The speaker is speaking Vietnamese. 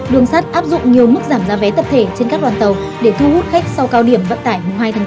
đường sắt áp dụng nhiều mức giảm giá vé tập thể trên các đoàn tàu để thu hút khách sau cao điểm vận tải mùng hai tháng bốn